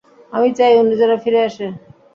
আমি চাই উনি যেন ফিরে আসে।